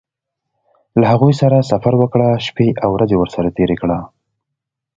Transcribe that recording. له هغوی سره سفر وکړه شپې او ورځې ورسره تېرې کړه.